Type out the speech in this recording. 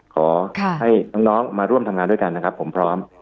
ขอให้น้องมาร่วมทำงานด้วยกันนะครับผมพร้อม